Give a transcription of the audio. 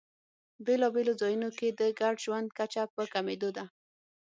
بېلابېلو ځایونو کې د ګډ ژوند کچه په کمېدو ده.